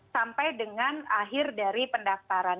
sampai dengan akhir dari pendaftaran